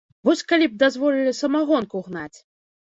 Вось калі б дазволілі самагонку гнаць!